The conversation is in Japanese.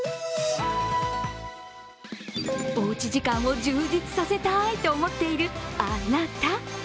おうち時間を充実させたいと思っているあなた。